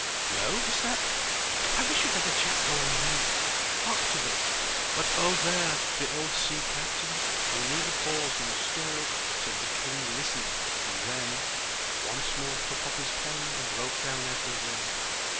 "No!" he snapped. "I wish you'd let a chap go on reading. Hark to this: "'But Othere, the old sea captain, He neither paused nor stirred Till the king listened, and then Once more took up his pen And wrote down every word.